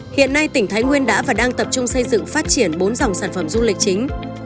hiện nay tỉnh thái nguyên đã và đang tập trung xây dựng phát triển bốn dòng sản phẩm du lịch chính